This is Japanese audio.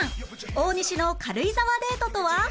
大西の軽井沢デートとは？